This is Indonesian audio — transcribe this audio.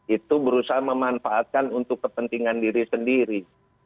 itu berusaha memanfaatkan untuk kepentingan diri sendiri